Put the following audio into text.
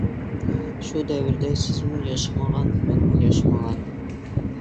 شۇ دەۋردە سىزمۇ ياشىمىغان، مەنمۇ ياشىمىغان.